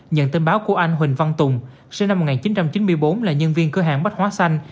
nhận tin báo của anh huỳnh văn tùng sinh năm một nghìn chín trăm chín mươi bốn là nhân viên cửa hàng bách hóa xanh